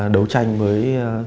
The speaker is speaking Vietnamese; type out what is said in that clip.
đấu tranh với